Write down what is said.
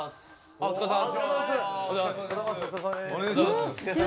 お疲れさまです